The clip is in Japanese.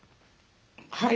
はい。